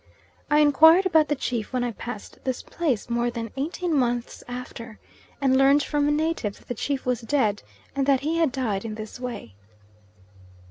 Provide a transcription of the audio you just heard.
I inquired about the chief when I passed this place, more than eighteen months after, and learnt from a native that the chief was dead, and that he had died in this way.